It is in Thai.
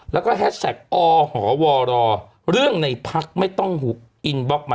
แล้วก็แฮชแท็กอหวรเรื่องในพรรค